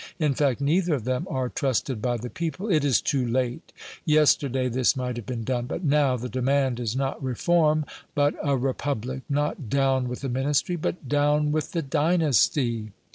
In fact, neither of them are trusted by the people. It is too late! Yesterday this might have been done; but now the demand is not reform, but a republic not 'down with the Ministry,' but 'down with the dynasty!'"